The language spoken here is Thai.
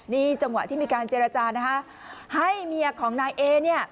นี่จังหวะที่มีการเจรจานะคะให้เมียของนายเอเนี่ย